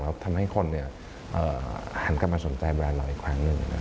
ทำให้คนหันกลับมาสนใจแบรนดเราอีกครั้งหนึ่ง